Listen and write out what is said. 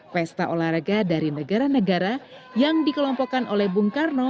pesta olahraga dari negara negara yang dikelompokkan oleh bung karno